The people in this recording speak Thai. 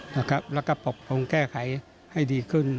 แล้วก็ปรับปรุงแก้ไขให้ดีขึ้น